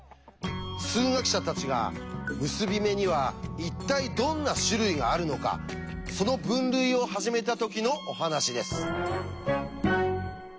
数学者たちが結び目には一体どんな種類があるのかその分類を始めた時のお話です。